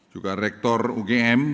juga rektor ugm